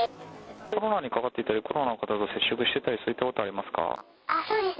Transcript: コロナにかかっていたりコロナの方と接触していたり、そういったことはありますか？